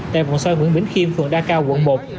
tại vòng xoay nguyễn bính khiêm phường đa cao quận một